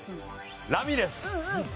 ラミレス。